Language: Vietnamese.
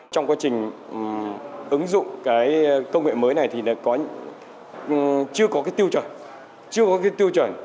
trong quá trình ứng dụng công nghệ mới này thì chưa có tiêu chuẩn